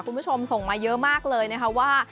คุณผู้ชมส่งมาเยอะมากเลยนะคะว่า